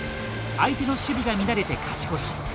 相手の守備が乱れて勝ち越し。